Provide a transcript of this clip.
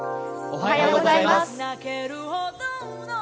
おはようございます。